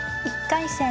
１回戦